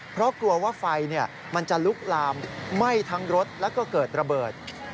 เพราะกลัวว่าไฟมันจะลุกลามไหม้ทั้งรถแล้วก็เกิดระเบิด